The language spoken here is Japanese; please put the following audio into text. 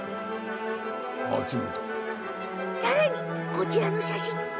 さらに、こちらの写真。